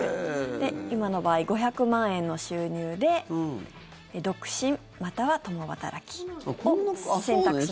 今の場合、５００万円の収入で独身または共働きを選択します。